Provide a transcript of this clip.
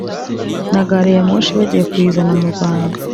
Na gareyamoshi bagiye kuyizana mu Rwanda